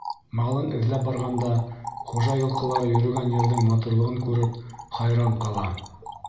Малын эҙләп барғанда хужа йылҡылары йөрөгөн ерҙең матурлығын күреп хайран ҡала.